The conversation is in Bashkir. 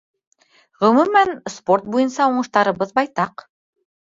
Ғөмүмән, спорт буйынса уңыштарыбыҙ байтаҡ.